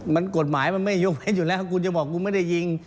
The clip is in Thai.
มันกฎหมายมันไม่ยกเว้นอยู่แล้วกูจะบอกกูไม่ได้ยิง